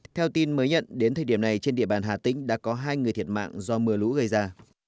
theo tin mới nhận đến thời điểm này trên địa bàn hà tĩnh đã có hai người thiệt mạng do mưa lũ gây ra